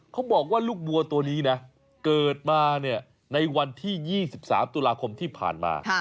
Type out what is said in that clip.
เขาบอกว่าลูกวัวตัวนี้นะเกิดมาในวันที่๒๓ตุลาคมที่ผ่านมา